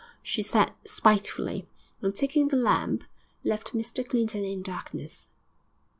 she said spitefully, and, taking the lamp, left Mr Clinton in darkness.